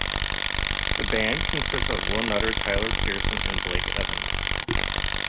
The band consisted of Will Nutter, Tyler Peerson, and Blake Evans.